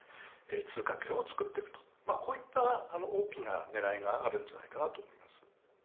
まあこういった大きな狙いがあるんじゃないかなと思います。